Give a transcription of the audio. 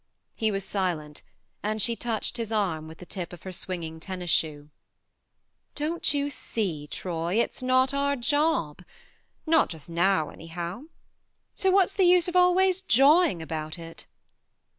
He was silent, and she touched his arm with the tip of her swinging tennis shoe. "Don't you see, Troy, it's not our job not just now, anyhow. So what's the use of always jawing about it